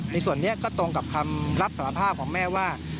ในส่วนนี้ก็ตรงกับคำรับสารภาพของแม่ว่า